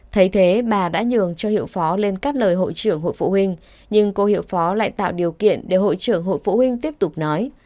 thấy thế bà đã nhường cho hiệu phó lên các lời hội trưởng hội phụ huynh nhưng cô hiệu phó lại tạo điều kiện để hội trưởng hội phụ huynh tiếp tục nói